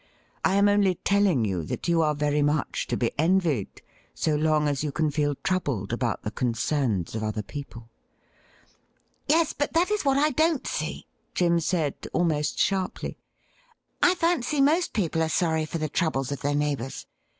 I am only telling you that you are very much to be envied, so long as you can feel troubled about the concerns of other people.' 'Yes, but that is what I don't see,' Jim said, almost sharply. ' I fancy most people are sorry for the troubles of their neighbours.